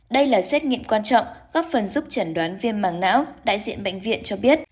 đây là xét nghiệm quan trọng góp phần giúp chẩn đoán viêm mạng não đại diện bệnh viện cho biết